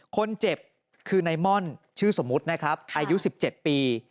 คนเจ็บคือนายม่อนชื่อสมมุตินะครับอายุ๑๗ปี